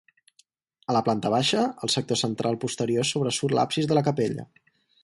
A la planta baixa, al sector central posterior sobresurt l'absis de la capella.